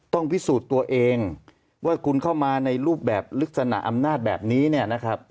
ต้องพิสูจน์ตัวเองว่าคุณเข้ามาในรูปแบบลักษณะอำนาจแบบนี้เนี่ยนะครับ